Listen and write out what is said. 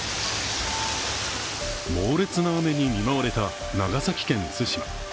猛烈な雨に見舞われた長崎県対馬。